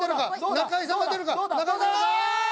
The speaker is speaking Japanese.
中居さんは出るか？